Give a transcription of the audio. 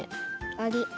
アリ。